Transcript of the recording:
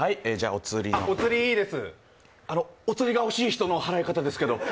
お釣りが欲しい人の払い方ですけれども？